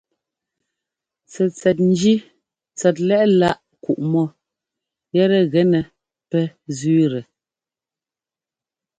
Tsɛtsɛt njí tsɛt lɛ́ꞌláꞌ kuꞌmɔ yɛtɛ gɛnɛ pɛ zẅíitɛ.